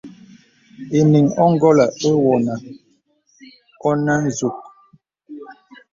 Enīŋ óngolə̀ ewone ìnə nzûg.